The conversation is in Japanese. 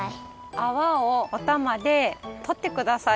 アワをおたまでとってください。